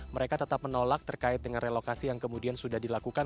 mereka tetap menolak terkait dengan relokasi yang kemudian sudah dilakukan